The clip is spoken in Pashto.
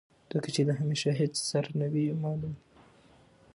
ځکه چې د همېشه هېڅ سر نۀ وي معلوم